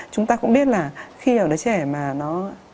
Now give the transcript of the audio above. chúng ta cũng biết là khi nào đứa trẻ mà nó